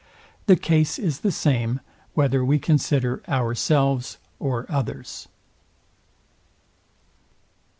The case is the same whether we consider ourselves or others.